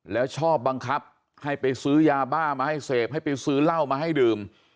แล้วชอบบังคับให้ไปซื้อยาบ้ามาให้เสพให้ไปซื้อเหล้ามาให้ดื่ม